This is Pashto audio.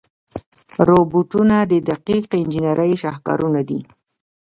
روبوټونه د دقیق انجنیري شاهکارونه دي.